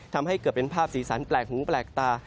ทำให้เกิดเป็นภาพสีสันแปลกหูแปลกตา